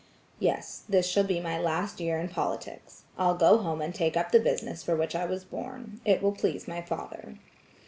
"Yes, this shall be my last year in politics. I'll go home and take up the business for which I was born; it will please my father."